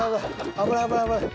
危ない危ない危ない。